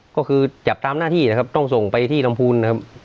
ก็คือจับตามหน้าที่นะครับต้องส่งไปที่ลำพูนนะครับ